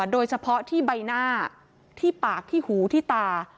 โดยเฉพาะที่ใบหน้าที่ปากที่หูที่ตา